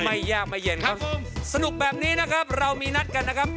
ไม่ยากไม่เย็นครับสนุกแบบนี้นะครับเรามีนัดกันนะครับ